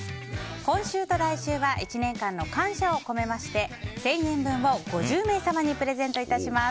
今週と来週は１年間の感謝を込めまして１０００円分を５０名様にプレゼントいたします。